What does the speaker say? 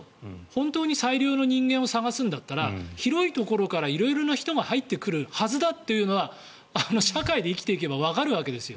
本当に最良の人間を探すんだったら広いところから色々な人が入ってくるはずだというのは社会で生きていけばわかるわけです。